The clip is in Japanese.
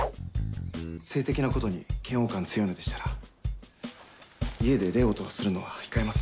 性的なことに嫌悪感強いのでしたら家でレオとするのは控えます。